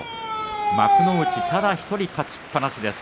幕内ただ１人勝ちっぱなしです。